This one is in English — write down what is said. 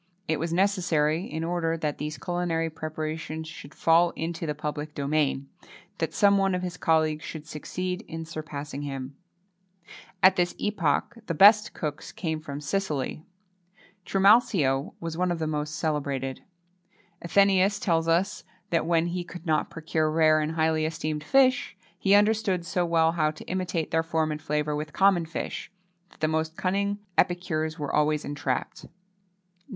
It was necessary, in order that these culinary preparations should fall into the public domain, that some one of his colleagues should succeed in surpassing him.[XXII 21] At this epoch, the best cooks came from Sicily. Trimalcio was one of the most celebrated. Athenæus tells us that, when he could not procure rare and highly esteemed fish, he understood so well how to imitate their form and flavour with common fish, that the most cunning epicures were always entrapped.